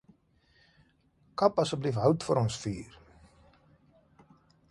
Kap asseblief hout vir ons vuur.